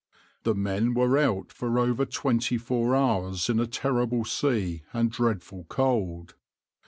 The men were out for over twenty four hours in a terrible sea and dreadful cold.